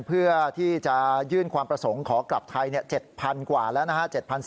เพื่อที่จะยื่นความประสงค์ขอกลับไทย๗๐๐กว่าแล้วนะฮะ